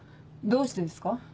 どうしてですか？